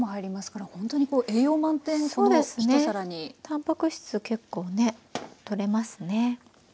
たんぱく質結構ねとれますね。